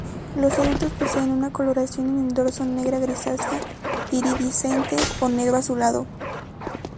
Los adultos poseen una coloración en el dorso negra grisácea iridiscente o negro azulado.